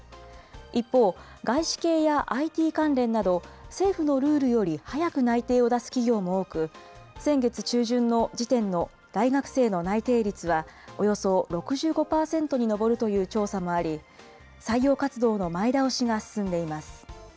一方、外資系やＩＴ関連など、政府のルールより早く内定を出す企業も多く、先月中旬の時点の大学生の内定率は、およそ６５％に上るという調査もあり、採用活動の前倒しが進んでいます。